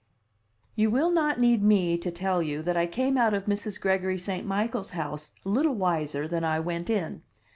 You will not need me to tell you that I came out of Mrs. Gregory St. Michael's house little wiser than I went in.